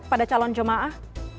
kepada calon jemaah